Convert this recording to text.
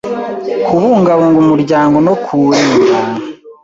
kubungabunga umuryango no kuwurinda